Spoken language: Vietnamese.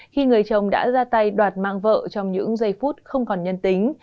khi người chồng đã ra tay đoạt mạng vợ trong những giây phút không còn nhân tính